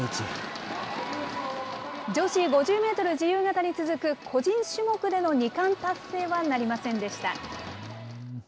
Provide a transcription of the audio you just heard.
女子５０メートル自由形に続く、個人種目での２冠達成はなりませんでした。